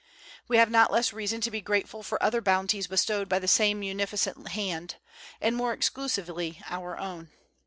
We have not less reason to be grateful for other bounties bestowed by the same munificent hand, and more exclusively our own.